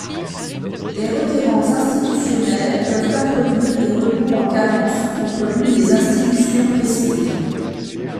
Les requérants institutionnels peuvent introduire des recours en carence contre l'une des institutions précitées.